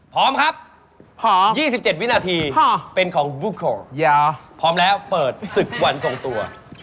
พร้อมครับพร้อม๒๗วินาทีเป็นของบุคโครอย่าพร้อมแล้วเปิดศึกวันทรงตัว